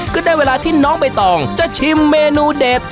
ก็ได้เวลาที่น้องใบตองจะชิมเมนูเด็ด